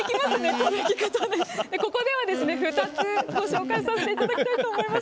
ここでは２つご紹介させていただきたいと思います。